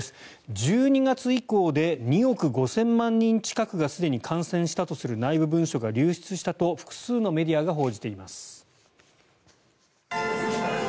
１２月以降で２億５０００万人近くがすでに感染したとする内部文書が流出したと複数のメディアが報じています。